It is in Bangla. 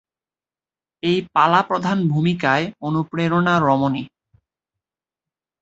এই পালা প্রধান ভূমিকায় অনুপ্রেরণা রমণী।